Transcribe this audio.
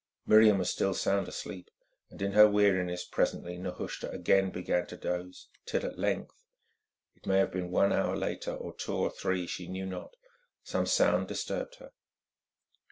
Miriam was still sound asleep, and in her weariness presently Nehushta again began to doze, till at length—it may have been one hour later, or two or three, she knew not—some sound disturbed her.